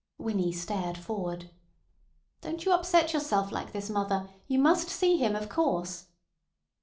Winnie stared forward. "Don't you upset yourself like this, mother. You must see him, of course."